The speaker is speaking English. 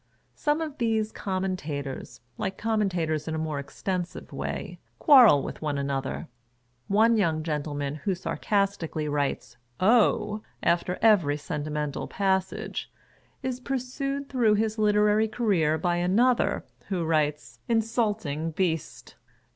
Some of these commentators, like commentators in a more extensive way, quarrel with one another. One young gentleman who sarcas tically writes " O !!!" after every sentimental passage, is pursued through his literary career by another, who writes " Insulting Beast